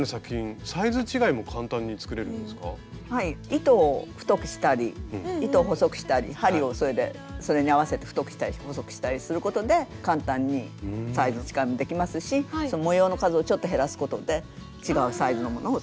糸を太くしたり糸を細くしたり針をそれに合わせて太くしたり細くしたりすることで簡単にサイズ違いもできますし模様の数をちょっと減らすことで違うサイズのものを作る。